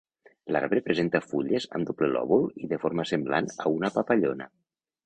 L'arbre presenta fulles amb doble lòbul i de forma semblant a una papallona.